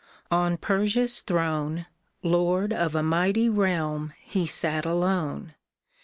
On Persia's throne, Lord of a mighty realm, he sat alone.